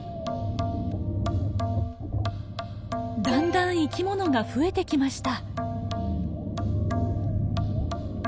だんだん生き物が増えてきました。